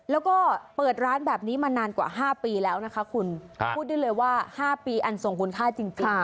แล้วก็เปิดร้านแบบนี้มานานกว่า๕ปีแล้วนะคะคุณพูดได้เลยว่า๕ปีอันทรงคุณค่าจริง